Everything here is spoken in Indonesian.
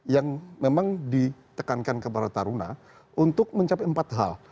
yang memang ditekankan kepada taruna untuk mencapai empat hal